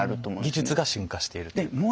技術が進化しているという。